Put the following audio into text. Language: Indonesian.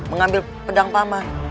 mengambil pedang paman